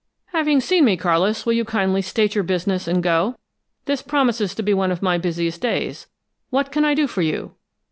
"Having seen me, Carlis, will you kindly state your business and go? This promises to be one of my busiest days. What can I do for you?"